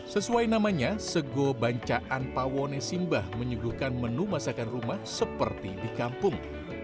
sesuai namanya seko banjaan pawanesimba menyuguhkan menu masakan rumah seperti di kampung